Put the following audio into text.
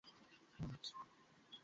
দাদা, আমি শুধু আমার ডিউটি করছি।